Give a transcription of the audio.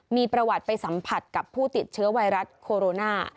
มีประวัติไปสัมผัสกับผู้ติดเชื้อไวรัสโคโรนา